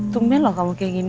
tumben loh kamu kayak gini